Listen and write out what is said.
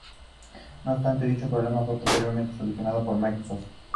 No obstante, dicho problema fue posteriormente solucionado por Microsoft.